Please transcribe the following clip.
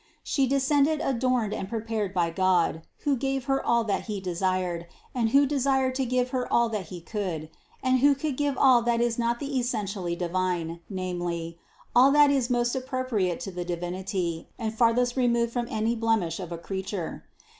She descended adorned and prepared by God, who gave Her all that He desired, and who desired to give Her all that He could, and who could give all that is not the essentially Divine, namely, all that is most approximate to the Divinity and farthest removed from any blemish of a creature.